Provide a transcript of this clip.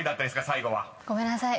最後は］ごめんなさい。